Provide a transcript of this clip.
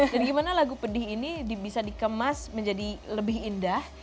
jadi gimana lagu pedih ini bisa dikemas menjadi lebih indah